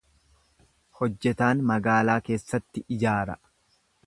Hojjetaan magaalaa keessatti ijaara.